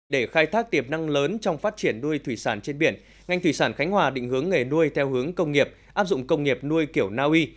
để khai thác tiềm năng lớn trong phát triển nuôi thủy sản trên biển ngành thủy sản khánh hòa định hướng nghề nuôi theo hướng công nghiệp áp dụng công nghiệp nuôi kiểu naui